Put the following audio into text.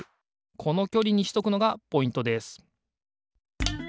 このきょりにしとくのがポイントです